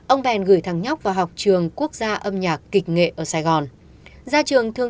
ông bèn gửi thằng nhóc vào học trường quốc gia âm nhạc kịch nghệ ở sài gòn